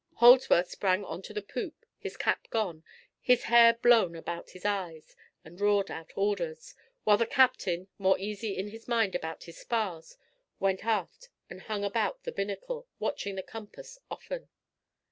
Holdsworth sprang on to the poop, his cap gone, his hair blown about his eyes, and roared out orders, while the captain, more easy in his mind about his spars, went aft and hung about the binnacle, watching the compass often.